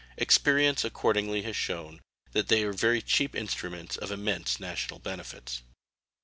Experience accordingly has shewn that they are very cheap instruments of immense national benefits.